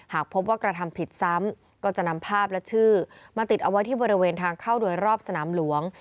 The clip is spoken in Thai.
หากพบว่ากระทำผิดซ้ำก็จะนำภาพและชื่อมาติดเอาไว้ที่บริเวณทางเข้าโดยรอบสนามหลวง